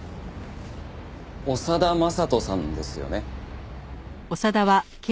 長田真人さんですよね？